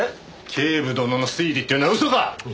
警部殿の推理っていうのは嘘か！？